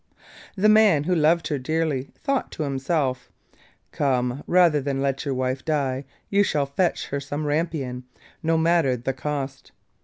The man, who loved her dearly, thought to himself, 'Come! rather than let your wife die you shall fetch her some rampion, no matter the cost.